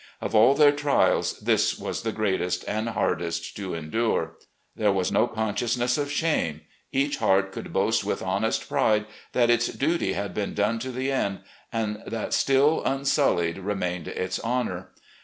Of all their trials, this was the greatest and hardest to endtue. There was no consciousness of shame ; each heart could boast with honest pride that its duty had been done to the end, and that still tmsuUied remained its honour.